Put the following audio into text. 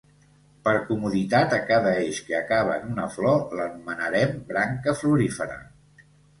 Per comoditat a cada eix que acaba en una flor l'anomenarem branca florífera.